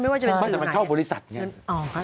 ไม่ว่าจะเป็นสื่อไหนแต่มันเข้าบริษัทอย่างนี้